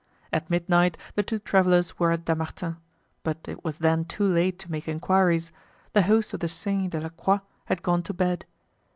At midnight the two travelers were at Dammartin, but it was then too late to make inquiries—the host of the Cygne de la Croix had gone to bed.